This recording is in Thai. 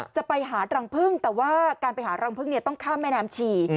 จะไปหารังพึ่งแต่ว่าการไปหารังพึ่งเนี่ยต้องข้ามแม่น้ำชี